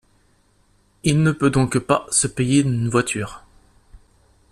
Il ne peut donc pas se payer une voiture.